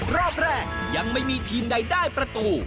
รอบแรกยังไม่มีทีมใดได้ประตู